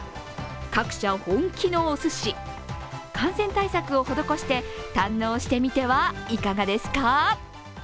各社本気のおすし、感染対策を施して堪能してみてはいかがですか。